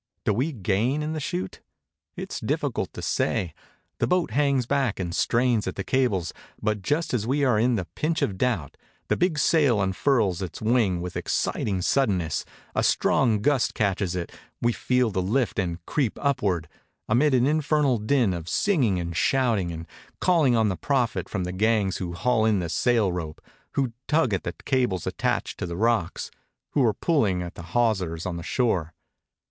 Do we gain in the chute? It is dif&cult to say; the boat hangs back and strains at the cables; but just as we are in the pinch of doubt, the big sail unfurls its wing with exciting sud denness, a strong gust catches it, we feel the lift, and creep upward, amid an infernal din of singing and shout ing and calling on the Prophet from the gangs who haul in the sail rope, who tug at the cables attached to the rocks, who are pulling at the hawsers on the shore.